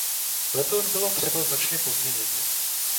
Letoun bylo třeba značně pozměnit.